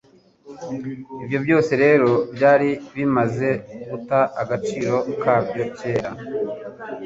Ibyo byose rero byari bimaze guta agaciro kabyo kera.